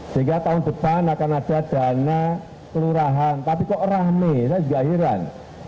tiga tahun depan akan ada dana kelurahan tapi kok rahmi saya juga iran